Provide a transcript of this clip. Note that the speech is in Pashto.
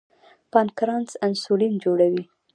پانکریاس انسولین جوړوي.